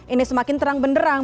ini semakin terang benderang